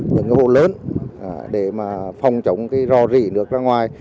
những hồ lớn để phòng chống ro rỉ nước ra ngoài